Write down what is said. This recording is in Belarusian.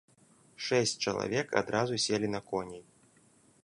Шэсць чалавек адразу селі на коней.